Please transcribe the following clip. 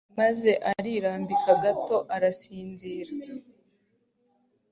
maze arirambika gato arasinzira